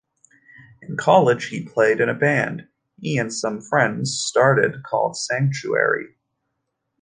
In college, he played in a band he and some friends started called Sanctuary.